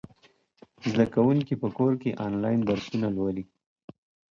زده کوونکي په کور کې آنلاین درسونه لولي.